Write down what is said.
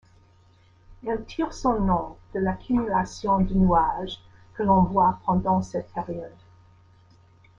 Elle tire son nom de l'accumulation de nuages que l'on voit pendant cette période.